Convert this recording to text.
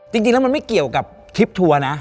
จริงแล้วมันไม่เกี่ยวกับทริปทัวร์นะ